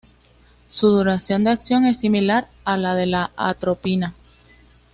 Su duración de acción es similar a la de la atropina.